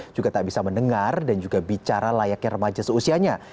juga tak bisa mendengar dan juga bicara layaknya remaja seusianya